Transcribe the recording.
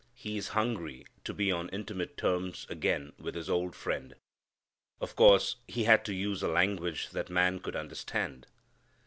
He is hungry to be on intimate terms again with his old friend. Of course he had to use a language that man could understand.